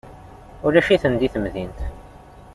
Ulac-iten deg temdint.